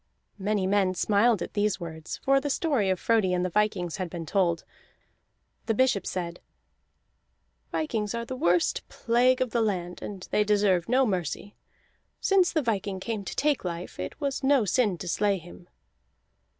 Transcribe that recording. Many men smiled at these words, for the story of Frodi and the vikings had been told. The bishop said: "Vikings are the worst plague of the land, and they deserve no mercy. Since the viking came to take life, it was no sin to slay him."